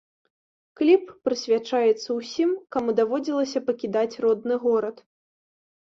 Кліп прысвячаецца ўсім, каму даводзілася пакідаць родны горад.